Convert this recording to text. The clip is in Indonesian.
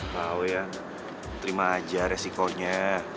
tau yan terima aja resikonya